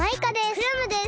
クラムです。